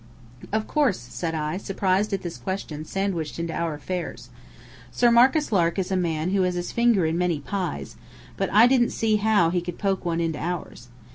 "Of course," said I, surprised at this question sandwiched into our affairs. Sir Marcus Lark is a man who has had his finger in many pies, but I didn't see how he could poke one into ours.